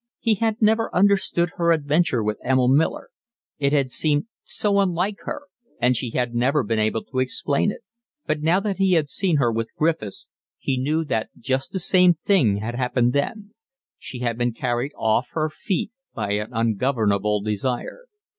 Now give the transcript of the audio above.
He had never understood her adventure with Emil Miller: it had seemed so unlike her, and she had never been able to explain it; but now that he had seen her with Griffiths he knew that just the same thing had happened then: she had been carried off her feet by an ungovernable desire.